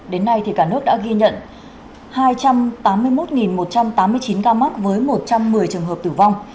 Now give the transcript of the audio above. đến nay cả nước đã ghi nhận hai trăm tám mươi một một trăm tám mươi chín ca mắc với một trăm một mươi trường hợp tử vong